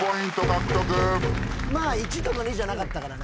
１とか２じゃなかったからね。